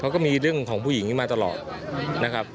เขาก็มีเรื่องของผู้หญิงมาตลอดนะครับ